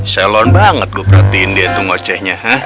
celon banget gue perhatiin dia tuh ngocehnya